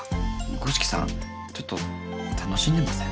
五色さんちょっと楽しんでません？